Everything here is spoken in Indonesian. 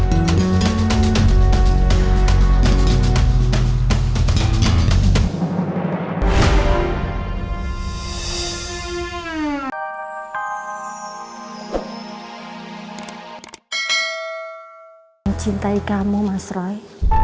mencintai kamu mas roy